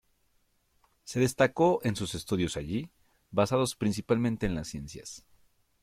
Se destacó en sus estudios allí, basados principalmente en las ciencias.